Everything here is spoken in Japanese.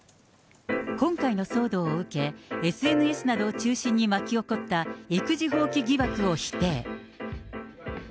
今回の騒動を受け、ＳＮＳなどを中心に巻き起こった育児放棄疑惑を否定。